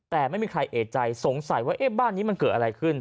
แต่ไม่มีใครเอกใจสงสัยว่าบ้านนี้มันเกิดอะไรขึ้น